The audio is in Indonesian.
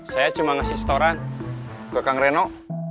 saya cuma ngasih setoran ke kang reno